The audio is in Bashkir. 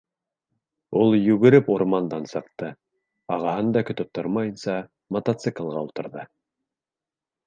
Ул йүгереп урмандан сыҡты, ағаһын да көтөп тормайынса мотоциклға ултырҙы.